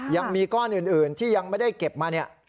ยังมีก้อนอื่นที่ยังไม่ได้เก็บมาเนี่ย